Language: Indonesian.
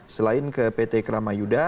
selain ke pt kramayuda